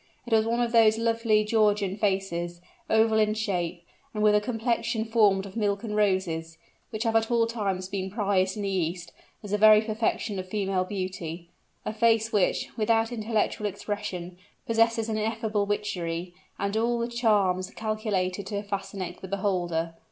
It was one of those lovely Georgian faces, oval in shape, and with a complexion formed of milk and roses, which have at all times been prized in the East, as the very perfection of female beauty; a face which, without intellectual expression, possesses an ineffable witchery, and all the charms calculated to fascinate the beholder.